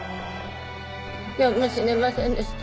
今日も死ねませんでした。